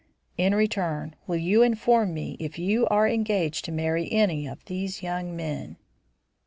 In return, will you inform me if you are engaged to marry any one of these young men?"